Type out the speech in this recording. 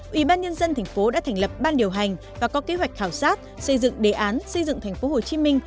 ủy ban nhân dân thành phố đã thành lập ban điều hành và có kế hoạch khảo sát xây dựng đề án xây dựng thành phố hồ chí minh